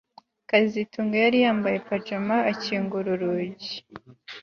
kazitunga yari yambaye pajama akingura urugi